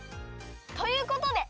ということで